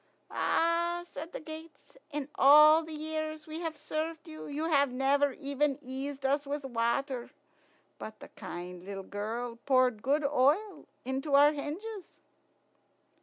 "Ah!" said the gates, "in all the years we have served you, you never even eased us with water; but the kind little girl poured good oil into our hinges."